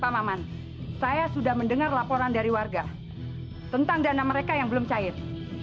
pak maman saya sudah mendengar laporan dari warga tentang dana mereka yang belum cair